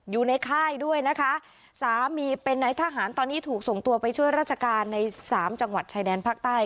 อยู่ในค่ายด้วยนะคะสามีเป็นนายทหารตอนนี้ถูกส่งตัวไปช่วยราชการในสามจังหวัดชายแดนภาคใต้